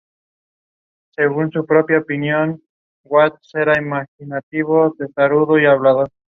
Se cree que protege contra la hipoxia.